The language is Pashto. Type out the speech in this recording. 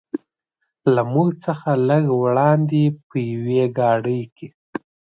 له موږ څخه لږ څه وړاندې په یوې ګاډۍ کې.